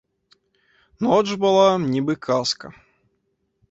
Ноч была, нібы казка.